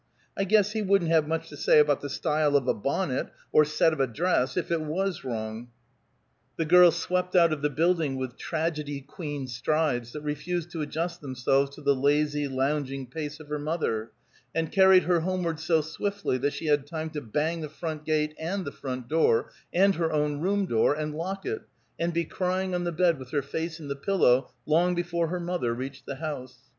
I guess he wouldn't have much to say about the style of a bonnet, or set of a dress, if it was wrong!" The girl swept out of the building with tragedy queen strides that refused to adjust themselves to the lazy, lounging pace of her mother, and carried her homeward so swiftly that she had time to bang the front gate and the front door, and her own room door and lock it, and be crying on the bed with her face in the pillow, long before her mother reached the house.